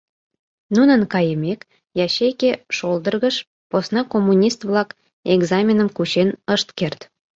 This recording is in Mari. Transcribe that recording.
Нунын кайымек, ячейке шолдыргыш, посна коммунист-влак «экзаменым» кучен ышт керт.